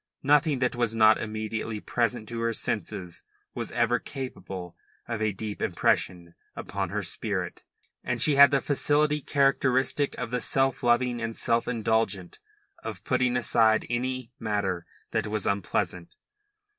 Nothing that was not immediately present to her senses was ever capable of a deep impression upon her spirit, and she had the facility characteristic of the self loving and self indulgent of putting aside any matter that was unpleasant.